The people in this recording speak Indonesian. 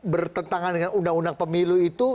bertentangan dengan undang undang pemilu itu